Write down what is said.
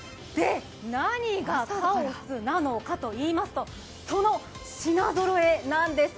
何がカオスなのかといいますとその品ぞろえなんです。